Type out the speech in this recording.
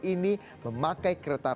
ini memakai kereta